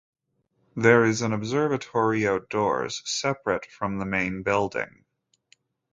There is an observatory outdoors, separate from the main building.